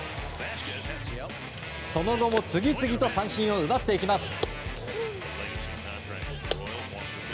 その後も次々と三振を奪っていきます。